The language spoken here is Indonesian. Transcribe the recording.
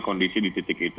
kondisi di titik itu